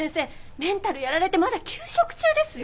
メンタルやられてまだ休職中ですよ？